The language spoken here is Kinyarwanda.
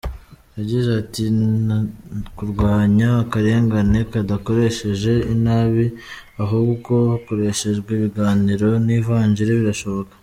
Yagize ati “Kurwanya akarengane hadakoreshejwe inabi, ahubwo hakoreshejwe ibiganiro n’ivanjiri birashoboka.